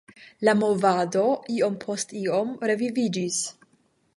La movado iom post iom reviviĝis.